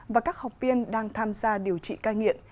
và các học viên đang tham gia điều trị cai nghiện